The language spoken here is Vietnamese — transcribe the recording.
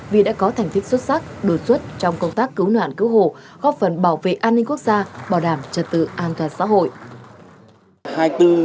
vì đã có thành tích xuất sắc đột xuất trong công tác cứu nạn cứu hộ góp phần bảo vệ an ninh quốc gia bảo đảm trật tự an toàn xã hội